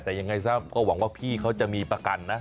แต่ยังไงซะก็หวังว่าพี่เขาจะมีประกันนะ